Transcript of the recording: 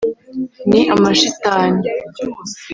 “Ni amashitani